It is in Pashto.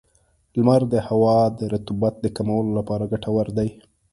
• لمر د هوا د رطوبت د کمولو لپاره ګټور دی.